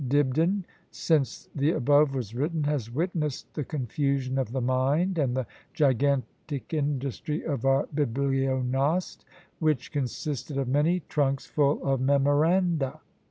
Dibdin, since the above was written, has witnessed the confusion of the mind and the gigantic industry of our bibliognoste, which consisted of many trunks full of memoranda.